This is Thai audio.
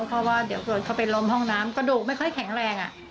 เพราะว่าเดี๋ยวเกิดเขาไปล้มห้องน้ำกระดูกไม่ค่อยแข็งแรง